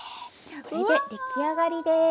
これで出来上がりです。